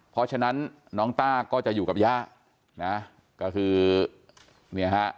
เพราะฉะนั้นน้องต้าก็จะอยู่กับย่านะก็คือเนี่ยฮะ